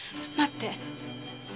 待って！